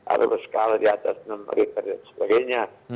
atau bersekala di atas enam meter dan sebagainya